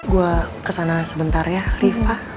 gue kesana sebentar ya rifa